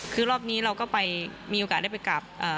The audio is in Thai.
คือรอบนี้เราก็ไปมีโอกาสได้ไปกลับ